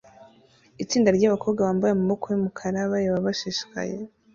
Itsinda ryabakobwa bambaye amaboko yumukara bareba bashishikaye